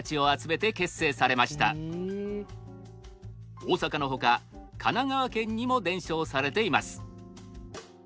大阪のほか神奈川県にも伝承されています。